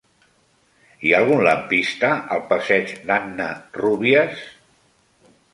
Hi ha algun lampista al passeig d'Anna Rúbies?